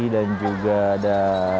dan juga ada